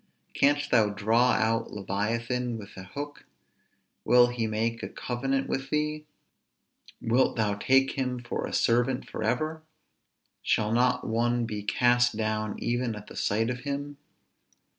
Canst thou draw out leviathan with an hook? will he make a covenant with thee? wilt thou take him for a servant forever? shall not one be cast down even at the sight of him?